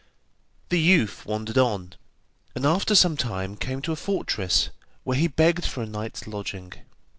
The youth wandered on, and after some time came to a fortress where he begged for a night's lodging.